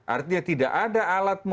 artinya tidak ada alat